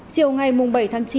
chiều ngày bảy tháng chín